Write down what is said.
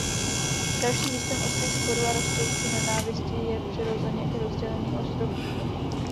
Dalším místem ostrých sporů a rostoucí nenávisti je přirozeně i rozdělený ostrov Kypr.